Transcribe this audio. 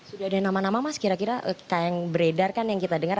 sudah ada nama nama mas kira kira yang beredar kan yang kita dengar